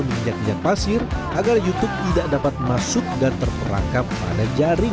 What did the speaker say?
menginjak injak pasir agar youtube tidak dapat masuk dan terperangkap pada jaring